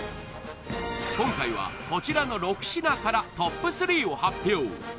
今回はこちらの６品からＴＯＰ３を発表